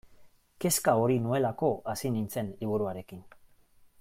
Kezka hori nuelako hasi nintzen liburuarekin.